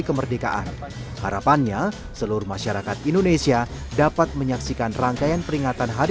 kru yang akan menempatkan kursi di belakang layar